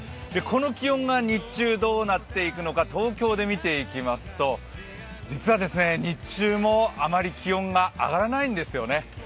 この気温が日中どうなっていくのか東京でみていきますと、実は日中もあまり気温が上がらないんですよね。